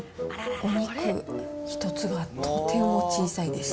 お肉１つがとても小さいです。